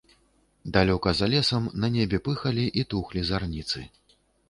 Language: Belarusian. Далёка за лесам, на небе, пыхалі і тухлі зараніцы.